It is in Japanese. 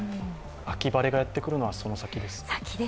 秋晴れがやってくるのは、その先ですか？